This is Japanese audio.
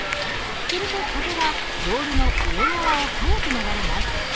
すると風はボールの上側を速く流れます。